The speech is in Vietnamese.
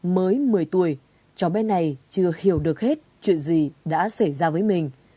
mới một mươi tuổi cháu bé này chưa hiểu được hết chuyện gì đã xảy ra với mình